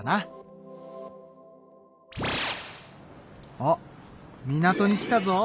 あっ港に来たぞ。